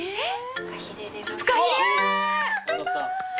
フカヒレ！